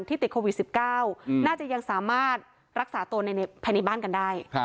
ติดโควิด๑๙น่าจะยังสามารถรักษาตัวภายในบ้านกันได้